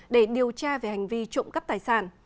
để điều tra về hành vi trộm cắp tài sản